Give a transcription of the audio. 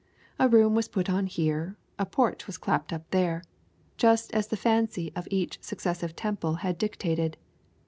A room was put on here, and a porch was clapped up there, just as the fancy of each successive Temple had dictated.